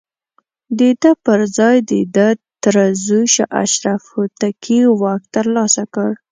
د ده پر ځاى د ده تره زوی شاه اشرف هوتکي واک ترلاسه کړ.